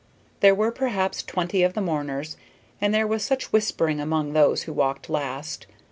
There were perhaps twenty of the mourners, and there was much whispering among those who walked last.